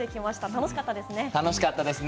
楽しかったですね。